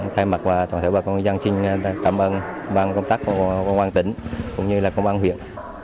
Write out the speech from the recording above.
thay mặt toàn thể bà con dân xin cảm ơn công an tỉnh cũng như là công an huyện